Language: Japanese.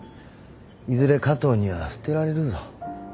いずれ加藤には捨てられるぞ。